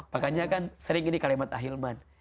makanya kan sering ini kalimat ahilman